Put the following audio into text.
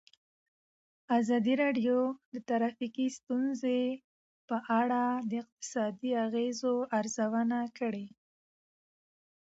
ازادي راډیو د ټرافیکي ستونزې په اړه د اقتصادي اغېزو ارزونه کړې.